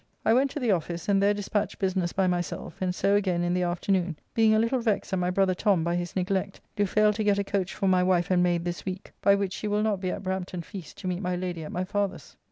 I went to the office, and there dispatched business by myself, and so again in the afternoon; being a little vexed that my brother Tom, by his neglect, do fail to get a coach for my wife and maid this week, by which she will not be at Brampton Feast, to meet my Lady at my father's.